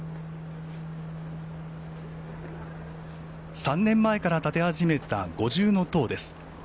３年前から建て始めた五重塔です。